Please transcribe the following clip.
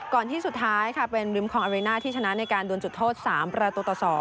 ที่สุดท้ายค่ะเป็นริมคองอาริน่าที่ชนะในการดวนจุดโทษ๓ประตูต่อ๒